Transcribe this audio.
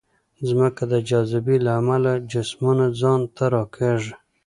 ځمکه د جاذبې له امله جسمونه ځان ته راکاږي.